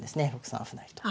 ６三歩成と。